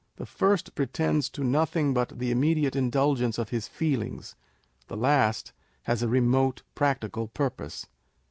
The first pretends to nothing but the immediate indulgence of his feelings : the last has a remote practical purpose.